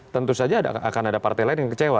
tentu saja akan ada partai lain yang kecewa